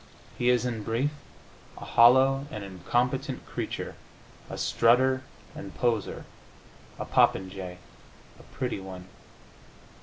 He is, in brief, a hollow and incompetent creature, a strutter and poseur, a popinjay, a pretty one....